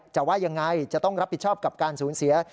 ว่ายังไงจะต้องรับผิดชอบกับการสูญเสีย